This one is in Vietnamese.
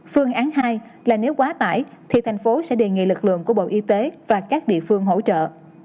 phương án hai là nếu quá tải thì thành phố sẽ đề nghị lực lượng của bộ y tế và các địa phương hỗ trợ